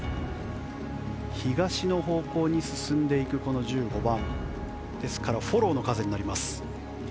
東の方向に進んでいく１５番なのでフォローの風になります。